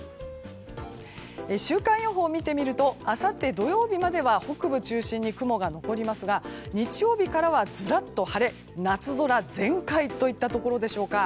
週間予報を見てみるとあさって土曜日までは北部を中心に雲が残りますが日曜日からはずらっと晴れ夏空全開といったところでしょうか。